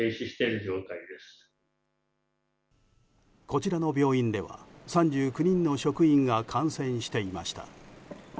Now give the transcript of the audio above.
こちらの病院では３９人の職員が感染していました。